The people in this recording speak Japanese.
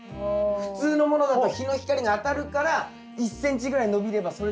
普通のものだと日の光が当たるから１ｃｍぐらい伸びればそれで十分なんすよ。